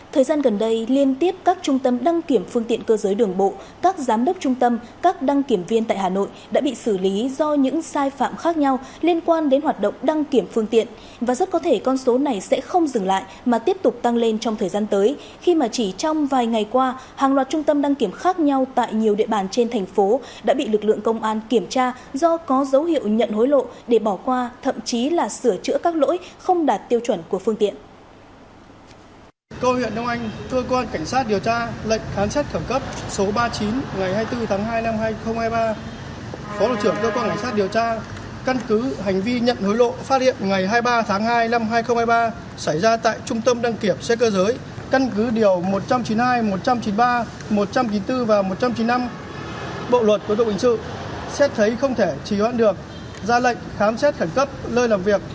tại trung tâm đăng kiểm xét cơ giới căn cứ điều một trăm chín mươi hai một trăm chín mươi ba một trăm chín mươi bốn và một trăm chín mươi năm bộ luật của tổng hình sự xét thấy không thể trì hoãn được ra lệnh khám xét khẩn cấp lơi làm việc tại trung tâm đăng kiểm xét cơ giới